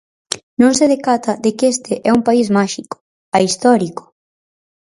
Non se decata de que este é un país máxico, ahistórico.